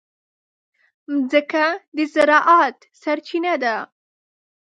مځکه د زراعت سرچینه ده.